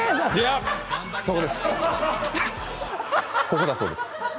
ここだそうです